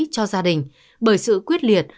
cho gia đình bởi sự quyết liệt